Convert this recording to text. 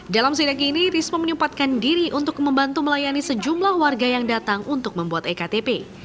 dalam sidak ini risma menyempatkan diri untuk membantu melayani sejumlah warga yang datang untuk membuat ektp